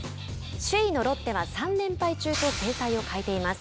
首位のロッテは３連敗中と精彩を欠いています。